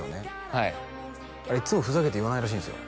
はいあれいっつもふざけて言わないらしいんですよ